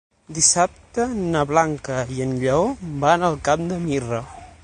Dissabte na Blanca i en Lleó van al Camp de Mirra.